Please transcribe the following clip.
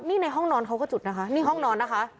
นี่ในห้องนอนเขาก็จุดนะคะนี่ห้องนอนนะคะ